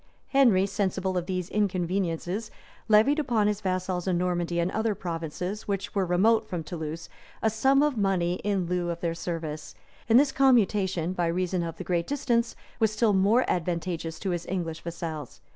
Henry, sensible of these inconveniences, levied upon his vassals in Normandy and other provinces, which were remote from Toulouse, a sum of money in lieu of their service; and this commutation, by reason of the great distance, was still more advantageous to his English vassals.